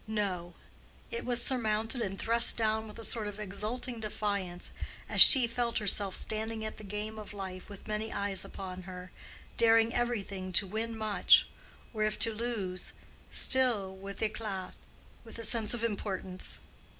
No: it was surmounted and thrust down with a sort of exulting defiance as she felt herself standing at the game of life with many eyes upon her, daring everything to win much—or if to lose, still with éclat and a sense of importance.